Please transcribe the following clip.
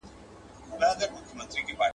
• سپور د پلي په حال څه خبر دئ.